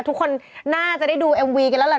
ทุกคนน่าจะได้ดูเอ็มวีกันแล้วแหละ